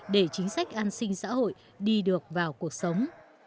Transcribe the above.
để chính sách an sinh xã hội đi được vào cuộc sống